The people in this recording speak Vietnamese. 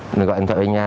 mình gọi anh tội ở nhà